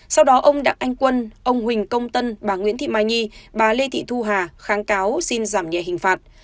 sau đó ông đặng anh quân ông huỳnh công tân bà nguyễn thị mai nhi bà lê thị thu hà kháng cáo xin giảm nhẹ hình phạt